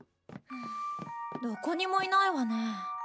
どこにもいないわねぇ。